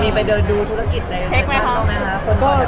มีไปเดินดูธุรกิจใดเช็คไว้ห้องนะครับ